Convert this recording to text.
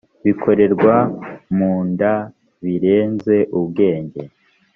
bikorerwa mu nda birenze ubwenge